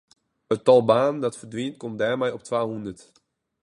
It tal banen dat ferdwynt komt dêrmei op twahûndert.